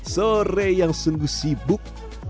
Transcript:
sore yang sungguh sibuk